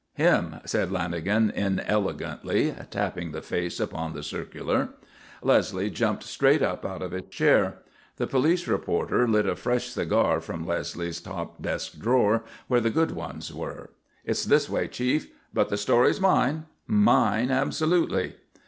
"Him," said Lanagan inelegantly, tapping the face upon the circular. Leslie jumped straight up out of his chair. The police reporter lit a fresh cigar from Leslie's top desk drawer, where the good ones were. "It's this way, chief; but the story's mine, mine absolutely."